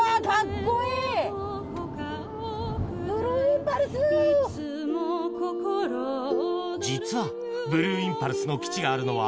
僖襯后禺造ブルーインパルスの基地があるのは楙觚